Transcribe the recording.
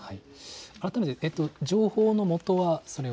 改めて、情報のもとは、それは。